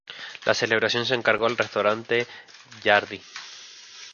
La celebración se encargó al restaurante Lhardy.